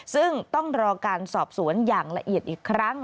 ซึ่งต้องรอการสอบสวนอย่างละเอียดอีกครั้ง